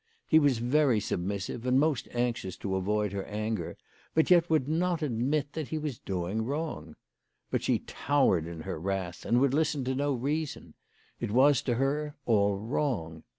He was very submissive and most anxious to avoid her anger; but yet would not admit that he was doing wrong. .But she towered in her wrath, and would listen to no reason. It was to her all wrong.